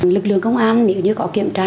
lực lượng công an nếu như có kiểm tra